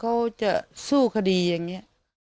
ก็คือกลัวเขาจะสู้คดีอย่างเงี้ย